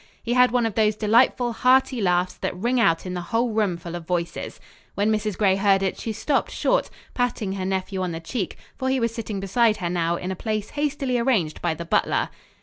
He had one of those delightful, hearty laughs that ring out in a whole roomful of voices. When Mrs. Gray heard it she stopped short, patting her nephew on the cheek; for he was sitting beside her now in a place hastily arranged by the butler.